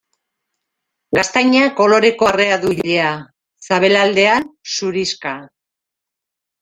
Gaztaina koloreko arrea du ilea, sabelaldean zurixka.